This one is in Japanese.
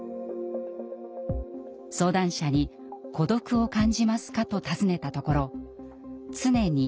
相談者に「孤独を感じますか？」と尋ねたところ「常に」